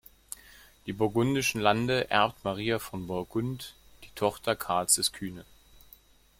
Die burgundischen Lande erbt Maria von Burgund, die Tochter Karls des Kühnen.